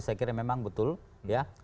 saya kira memang betul ya